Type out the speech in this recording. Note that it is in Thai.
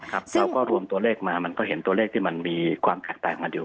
เราก็รวมตัวเลขมามันก็เห็นตัวเลขที่มันมีความแตกต่างกันอยู่